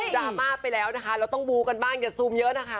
ราม่าไปแล้วนะคะเราต้องบูกันบ้างอย่าซูมเยอะนะคะ